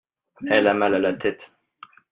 Elle a mal à la tête.